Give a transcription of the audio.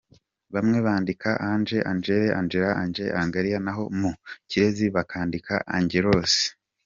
Bamwe bandika Ange, Angel, Angela, Angele, Angella, naho mu Kigereki bakandika Angelos.